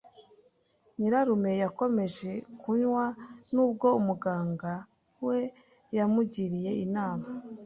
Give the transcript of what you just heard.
Nyirarume yakomeje kunywa nubwo umuganga we yamugiriye inama.